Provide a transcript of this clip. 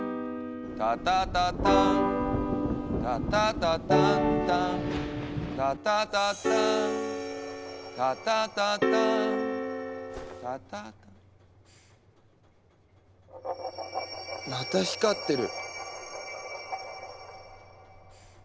「タタタターン」「タタタタンタン」「タタタターンタタタターン」「タタ」また光ってる。